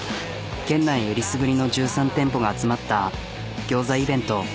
県内えりすぐりの１３店舗が集まったギョーザイベント。